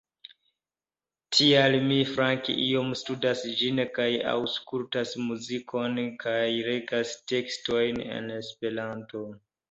Tial mi flanke iom studas ĝin kaj aŭskultas muzikon kaj legas tekstojn en Esperanto.